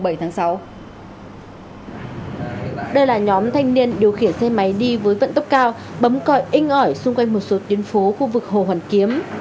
đây là nhóm thanh niên điều khiển xe máy đi với vận tốc cao bấm còi inh ỏi xung quanh một số tuyến phố khu vực hồ hoàn kiếm